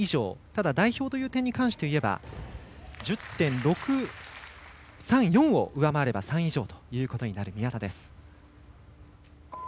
ただ代表という点に関していえば１０．６３４を上回れば３位以上ということになる宮田。